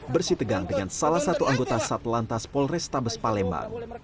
bersitegang dengan salah satu anggota sat lantas polres tabes palembang